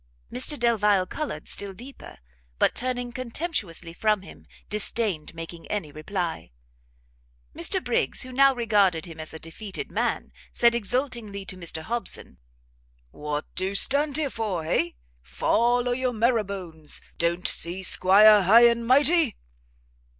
Mr Delvile coloured still deeper, but turning contemptuously from him, disdained making any reply. Mr Briggs, who now regarded him as a defeated man, said exultingly to Mr Hobson, "what do stand here for? hay? fall o' your marrowbones; don't see 'Squire High and Mighty?"